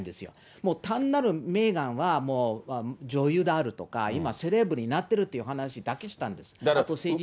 もう単なる、メーガンはもう女優であるとか、今、セレブになっているという話だけしたんです。